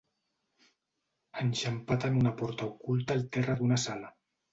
Enxampat en una porta oculta al terra d'una sala.